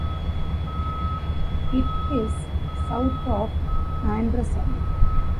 It is south of Anderson.